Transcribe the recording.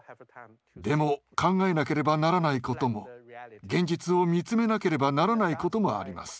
でも考えなければならないことも現実を見つめなければならないこともあります。